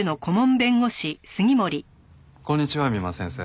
こんにちは三馬先生。